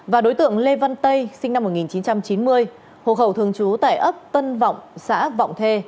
và đối tượng lê văn tây sinh năm một nghìn chín trăm chín mươi hộ khẩu thường trú tại ấp tân vọng xã vọng thê